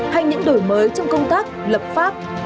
hành những đổi mới trong công tác lập pháp